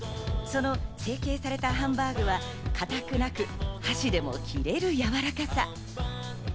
その成形されたハンバーグはかたくなく、箸でも切れるやわらかさ。